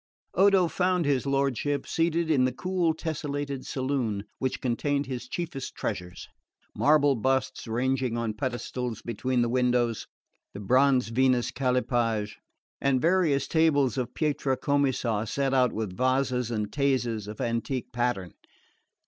Odo found his lordship seated in the cool tessellated saloon which contained his chiefest treasures marble busts ranged on pedestals between the windows, the bronze Venus Callipyge, and various tables of pietra commessa set out with vases and tazzas of antique pattern.